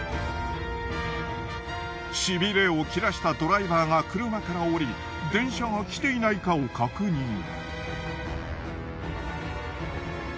しびれを切らしたドライバーが車から降り電車が来ていないかを確認。